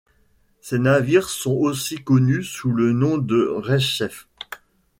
Ces navires sont aussi connus sous le nom de Reshef.